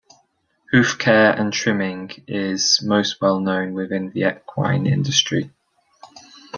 Hoof care and trimming is most well known with the equine industry.